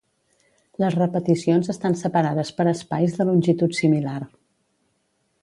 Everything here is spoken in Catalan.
Les repeticions estan separades per espais de longitud similar.